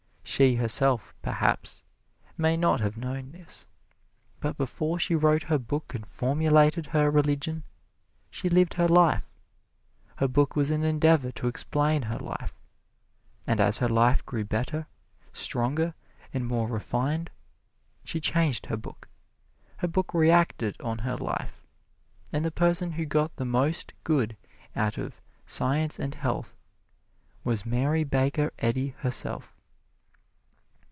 She, herself, perhaps may not have known this; but before she wrote her book and formulated her religion, she lived her life. Her book was an endeavor to explain her life, and as her life grew better, stronger and more refined, she changed her book. Her book reacted on her life, and the person who got the most good out of "Science and Health" was Mary Baker Eddy herself.